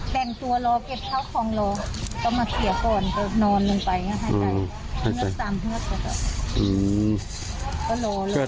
แบ่งตัวรอเก็บเท้าของรอต้องมาเสียก่อนเดี๋ยวนอนลงไปให้ใส่